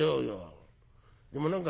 でも何か